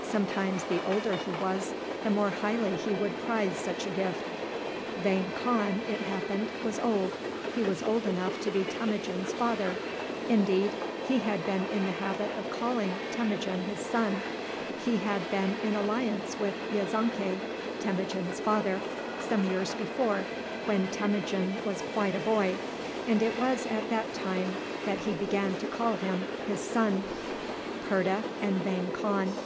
Sometimes the older he was the more highly he would prize such a gift. Vang Khan, it happened, was old. He was old enough to be Temujin's father. Indeed, he had been in the habit of calling Temujin his son. He had been in alliance with Yezonkai, Temujin's father, some years before, when Temujin was quite a boy, and it was at that time that he began to call him his son. [Illustration: PURTA IN THE TENT OF VANG KHAN.